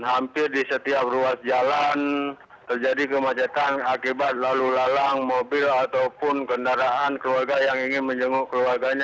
hampir di setiap ruas jalan terjadi kemacetan akibat lalu lalang mobil ataupun kendaraan keluarga yang ingin menjenguk keluarganya